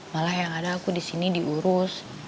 malah yang ada aku di sini diurus